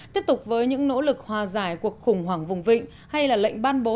tiếp tục với những nỗ lực hòa giải cuộc khủng hoảng vùng vịnh hay là lệnh ban bố